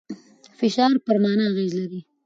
فشار پر مانا اغېز لري.